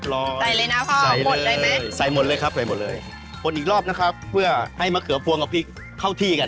ได้ครับขอบคุณครับ